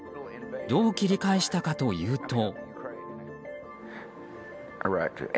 どう切り返したかというと。